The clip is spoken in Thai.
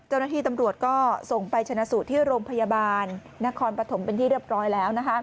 เจ้าหน้าที่ตำรวจก็ส่งไปชนะสูตรที่โรงพยาบาลนครปฐมเป็นที่เรียบร้อยแล้ว